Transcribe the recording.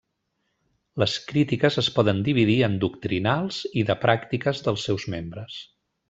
Les crítiques es poden dividir en doctrinals i de pràctiques dels seus membres.